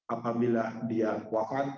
apabila dia kuafat